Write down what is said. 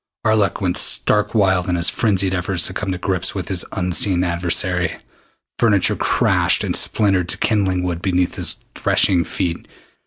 Arlok went stark wild in his frenzied efforts to come to grips with his unseen adversary. Furniture crashed and splintered to kindling wood beneath his threshing feet.